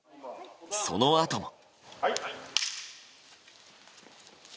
そのあとも。